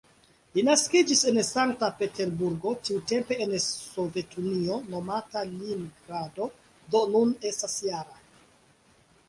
Li naskiĝis en Sankt-Peterburgo, tiutempe en Sovetunio nomata Leningrado, do nun estas -jara.